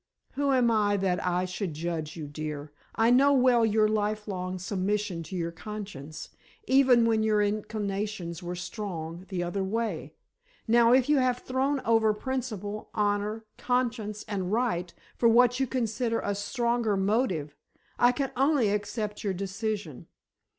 "Who am I that I should judge you, dear? I know well your lifelong submission to your conscience, even when your inclinations were strong the other way. Now, if you have thrown over principle, honor, conscience and right, for what you consider a stronger motive, I can only accept your decision.